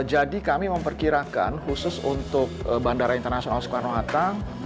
kami memperkirakan khusus untuk bandara internasional soekarno hatta